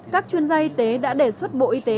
các chuyên gia y tế đã đề xuất bộ y tế